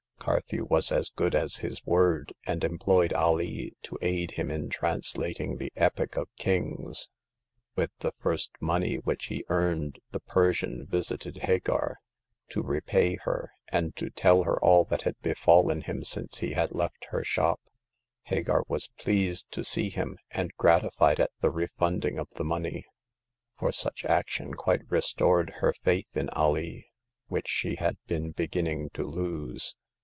'* Carthew was as good as his word, and em ployed Alee to aid him in translating the Epic of Kings. With the first money which he earned the Persian visited Hagar— to repay her, and to tell her all that had befallen him since he had left her shop. Hagar was pleased to see him, and gratified at the refunding of the money; for such action quite restored her faith in Alee, which she had been beginning to lose.